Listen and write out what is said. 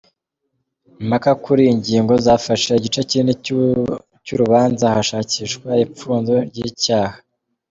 Impaka kuri iyi ngingo zafashe igice kinini cy’urubanza hashakishwa ipfundo ry’icyaha.